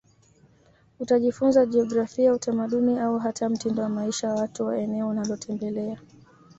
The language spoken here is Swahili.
Utajifunza jiografia utamaduni au hata mtindo wa maisha wa watu wa eneo unalotembelea